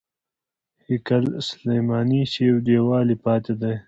هیکل سلیماني چې یو دیوال یې پاتې دی.